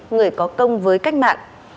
người có công với cách mạng